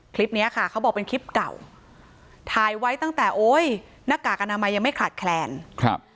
คลิปเนี้ยค่ะเขาบอกเป็นคลิปเก่าถ่ายไว้ตั้งแต่โอ้ยหน้ากากอนามัยยังไม่ขาดแคลนครับ